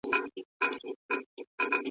د سياسي پوهي کتابونه په شوق سره ولولئ.